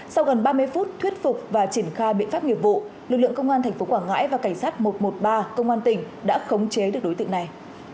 sau gần ba mươi phút thuyết phục và triển khai biện pháp nghiệp vụ lực lượng công an tp quảng ngãi và cảnh sát một trăm một mươi ba công an tỉnh đã khống chế được đối tượng này